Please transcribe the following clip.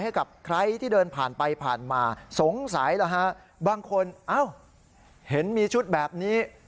ให้กับใครที่เดินผ่านไปผ่านมาสงสัยแล้วฮะบางคนเอ้าเห็นมีชุดแบบนี้